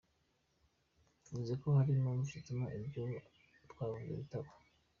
Bivuze ko hari impamvu zituma ibyo twavuze bitaba.